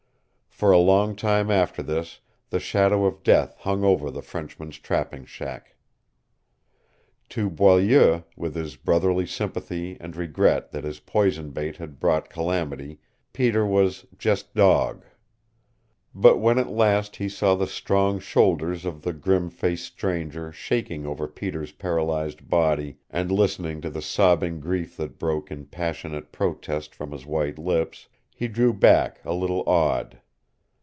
For a long time after this the shadow of death hung over the Frenchman's trapping shack. To Boileau, with his brotherly sympathy and regret that his poison bait had brought calamity, Peter was "just dog." But when at last he saw the strong shoulders of the grim faced stranger shaking over Peter's paralyzed body and listened to the sobbing grief that broke in passionate protest from his white lips, he drew back a little awed.